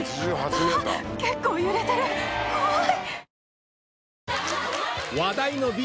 あぁ結構揺れてる怖い。